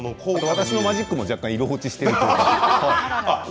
私のマジックも若干色落ちしているかと。